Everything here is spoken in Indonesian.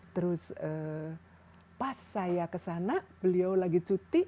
terus pas saya ke sana beliau lagi cuti